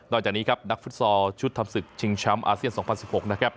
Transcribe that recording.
จากนี้ครับนักฟุตซอลชุดทำศึกชิงแชมป์อาเซียน๒๐๑๖นะครับ